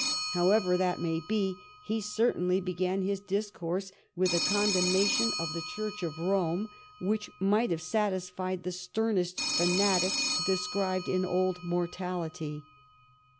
However that may be, he cer tainly began his discourse with a condemnation of the Church of Rome which might have satisfied the stern est fanatics described in Old Mortality.